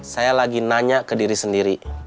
saya lagi nanya ke diri sendiri